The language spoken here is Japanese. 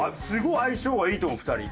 すごい相性はいいと思う２人。